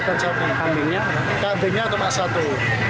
kambingnya cuma satu